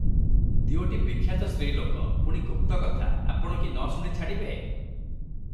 ଦିଓଟି ବିଖ୍ୟାତ ସ୍ତ୍ରୀଲୋକ ପୁଣି ଗୁପ୍ତକଥା ଆପଣ କି ନ ଶୁଣି ଛାଡ଼ିବେ?